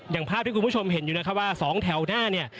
อย่างภาพที่คุณผู้ชมเห็นอยู่นะครับว่าสองแถวหน้าเนี่ย